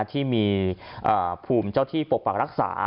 ที่มีภูมิเจ้าที่ปกปักรักษา